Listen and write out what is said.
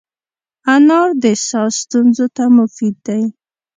انار د ساه ستونزو ته مفید دی.